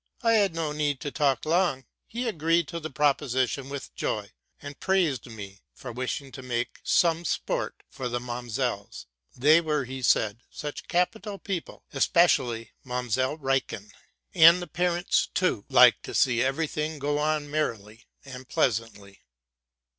I had no need to talk long: he agreed to the proposition with joy, and praised me for wishing to make some sport for the Mamsells ; they were, 44 TRUTH AND FICTION he said, such capital people, especially Mamselle Reikchen ;* and the parents, too, liked to see every thing go on merrily and pleasantly.